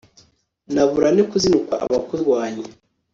nabura nte kuzinukwa abakurwanya